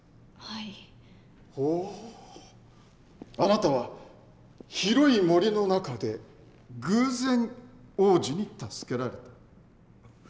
あなたは広い森の中で偶然王子に助けられた。